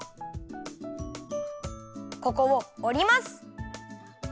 ここをおります！